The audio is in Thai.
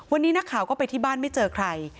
วันนี้นักข่าวก็ไปที่บ้านไม่เจอใคร